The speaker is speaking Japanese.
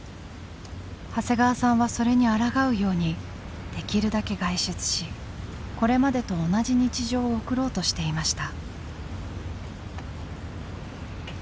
長谷川さんはそれにあらがうようにできるだけ外出しこれまでと同じ日常を送ろうとしていました。